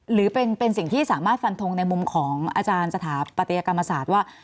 หรือเป็นสิ่งที่สามารถฟันทงในมุมของอาจารย์สถาปัตยกรรมศาสตร์ว่า